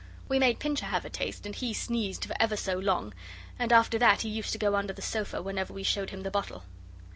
We made Pincher have a taste, and he sneezed for ever so long, and after that he used to go under the sofa whenever we showed him the bottle.